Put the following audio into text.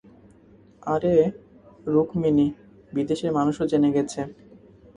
আরে রুকমিনি, বিদেশের মানুষও জেনে গেছে।